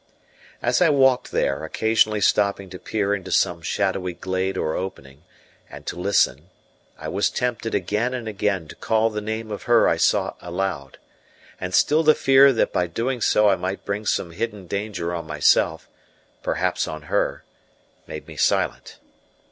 As I walked there, occasionally stopping to peer into some shadowy glade or opening, and to listen, I was tempted again and again to call the name of her I sought aloud; and still the fear that by so doing I might bring some hidden danger on myself, perhaps on her, made me silent.